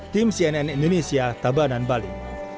tim cnn indonesia tabanan bali